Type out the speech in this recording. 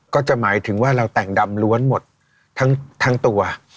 ก็จะหมายถึงว่าเราแต่งดำล้วนหมดทั้งตัว